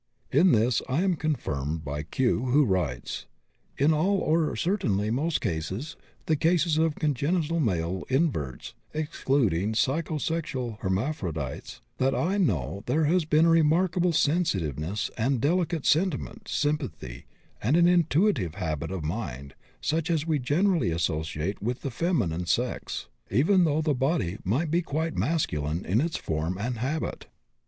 In this I am confirmed by Q., who writes: "In all, or certainly almost all, the cases of congenital male inverts (excluding psycho sexual hermaphrodites) that I know there has been a remarkable sensitiveness and delicacy of sentiment, sympathy, and an intuitive habit of mind, such as we generally associate with the feminine sex, even though the body might be quite masculine in its form and habit."